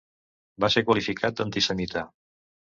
Va ser qualificat d'antisemita.